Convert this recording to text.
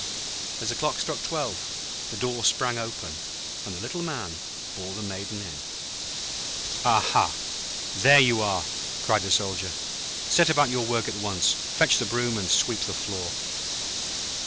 As the clock struck twelve, the door sprang open, and the Little Man bore the Maiden in. 'Ah ha! There you are!' cried the Soldier. 'Set about your work at once. Fetch the broom and sweep the floor.'